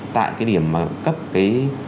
tại cái điểm mà cấp cái